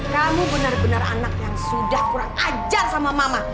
kamu benar benar anak yang sudah kurang ajar sama mama